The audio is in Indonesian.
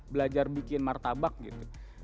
belajar bikin martabak gitu